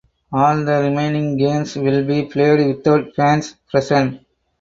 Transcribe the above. All the remaining games will be played without fans present.